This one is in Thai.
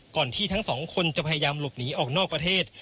ที่ทั้งสองคนจะพยายามหลบหนีออกนอกประเทศ